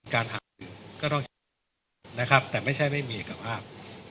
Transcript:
การหารือก็ต้องใช้คนดีกว่าแต่ไม่ใช่ไม่มีเอกภาพ